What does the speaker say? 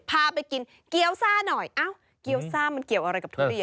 พาไปกินเกี้ยวซ่าหน่อยเอ้าเกี้ยวซ่ามันเกี่ยวอะไรกับทุเรียน